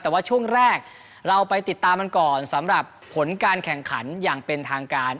แต่ว่าช่วงแรกเราไปติดตามมันก่อนสำหรับผลการแข่งขันอย่างเป็นทางการ